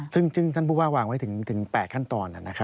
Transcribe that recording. ซึ่งท่านผู้ว่าวางไว้ถึง๘ขั้นตอน